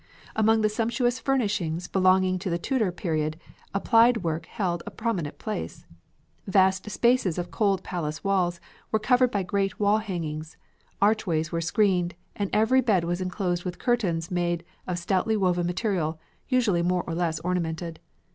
Among the sumptuous furnishings belonging to the Tudor period, applied work held a prominent place. Vast spaces of cold palace walls were covered by great wall hangings, archways were screened, and every bed was enclosed with curtains made of stoutly woven material, usually more or less ornamented.